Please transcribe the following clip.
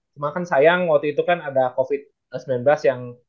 cuma kan sayang waktu itu kan ada covid sembilan belas yang